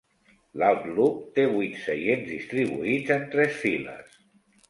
L'Outlook té vuit seients distribuïts en tres files.